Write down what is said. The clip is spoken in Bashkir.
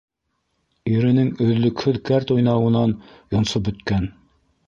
Иренең өҙлөкһөҙ кәрт уйнауынан йонсоп бөткән.